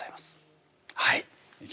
はい。